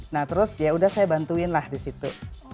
nah terus ya udah saya bantuin lah disitu